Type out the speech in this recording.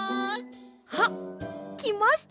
あっきました！